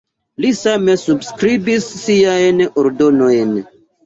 Li same subskribis siajn ordonojn.